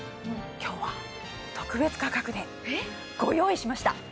今日は特別価格でご用意しました